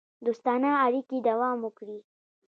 دوستانه اړیکې دوام وکړي.